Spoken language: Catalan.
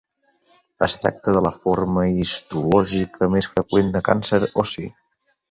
Es tracta de la forma histològica més freqüent de càncer ossi.